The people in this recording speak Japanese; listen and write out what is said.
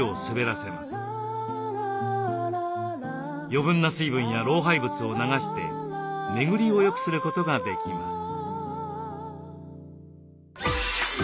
余分な水分や老廃物を流して巡りをよくすることができます。